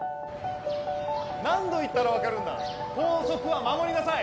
何度言ったら分かるんだ校則は守りなさい！